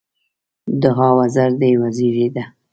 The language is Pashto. دوعا: وزر دې وزېږده!